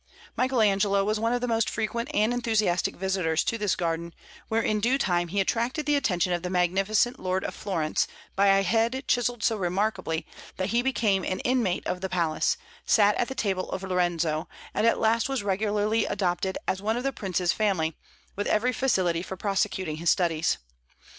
Michael Angelo was one of the most frequent and enthusiastic visitors to this garden, where in due time he attracted the attention of the magnificent Lord of Florence by a head chiselled so remarkably that he became an inmate of the palace, sat at the table of Lorenzo, and at last was regularly adopted as one of the Prince's family, with every facility for prosecuting his studies.